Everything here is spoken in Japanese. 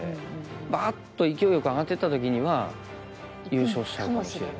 バーッと勢いよく上がっていった時には優勝しちゃうかもしれない。